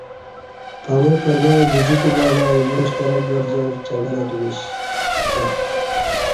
پمو پرمع گجی کوبہ بہ ایمو شترک گرجار چکر اتمیش کہ